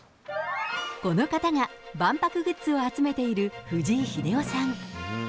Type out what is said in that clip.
この方が万博グッズを集めている藤井秀夫さん。